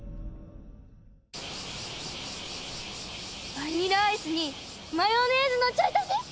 バニラアイスにマヨネーズのちょい足し？